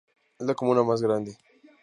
Es la comuna más grande.